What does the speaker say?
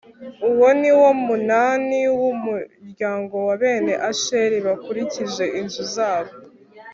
uwo ni wo munani w'umuryango wa bene asheri bakurikije inzu zabo